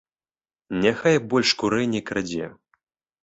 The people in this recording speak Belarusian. Няхай больш курэй не крадзе.